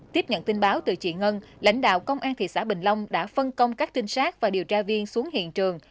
tiếp nhận tin báo từ chị ngân lãnh đạo công an thị xã bình long đã phân công các trinh sát và điều tra viên xuống hiện trường